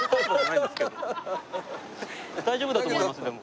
大丈夫だと思いますでも。